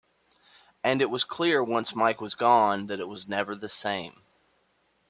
And it was clear once Mike was gone that it was never the same.